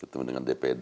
ketemu dengan dpd